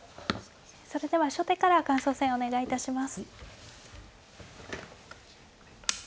それでは初手から感想戦お願い致します。